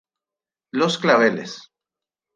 Los Claveles